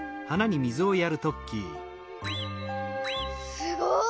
すごい。